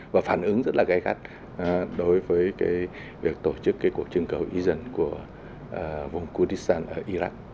và phản ứng rất là gây khát đối với cái việc tổ chức cái cuộc trưng cầu y dân của vùng kurdistan ở iran